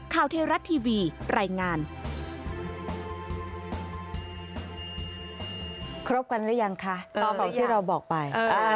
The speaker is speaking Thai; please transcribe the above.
ครบกันรึยังคะต่อเถอะที่เราบอกไป